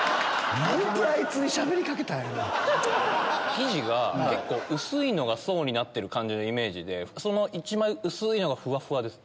生地が結構薄いのが層になってる感じのイメージでその１枚薄いのがふわふわです。